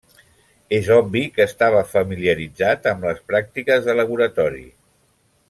És obvi que estava familiaritzat amb les pràctiques de laboratori.